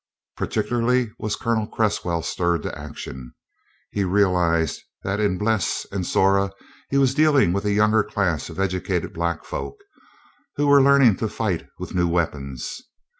Particularly was Colonel Cresswell stirred to action. He realized that in Bles and Zora he was dealing with a younger class of educated black folk, who were learning to fight with new weapons.